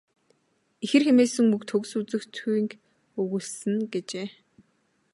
Ихэр хэмээсэн үг төгс үзэгдэхүйг өгүүлсэн нь." гэжээ.